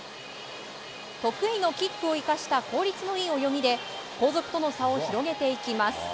得意のキックを生かした効率のいい泳ぎで後続との差を広げていきます。